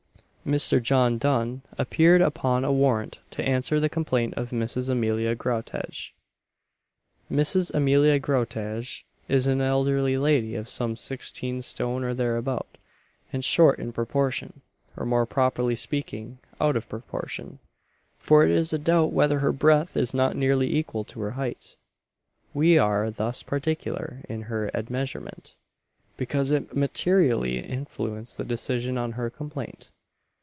Mr. John Dunn appeared upon a warrant to answer the complaint of Mrs. Amelia Groutage. Mrs. Amelia Groutage is an elderly lady of some sixteen stone or thereabout, and short in proportion or, more properly speaking, out of proportion; for it is a doubt whether her breadth is not nearly equal to her height. We are thus particular in her admeasurement, because it materially influenced the decision on her complaint.